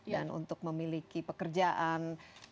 dan untuk memiliki pekerjaan